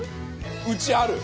うちある！